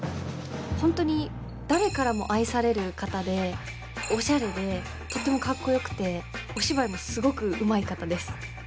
本当に誰からも愛される方で、おしゃれでとってもかっこよくてお芝居も、すごくうまい方です。